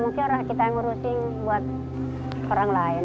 misal mungkin kita yang ngurusin buat orang lain